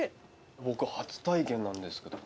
僕初体験なんですけど。